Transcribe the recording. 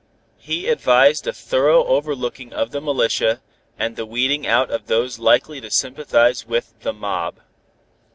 He advised a thorough overlooking of the militia, and the weeding out of those likely to sympathize with the "mob."